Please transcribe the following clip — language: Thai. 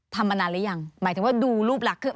มานานหรือยังหมายถึงว่าดูรูปลักษณ์